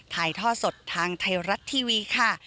ถ่ายท่อสดทางไทยรัฐทีวีค่ะ